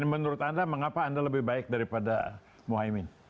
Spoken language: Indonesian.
menurut anda mengapa anda lebih baik daripada mohaimin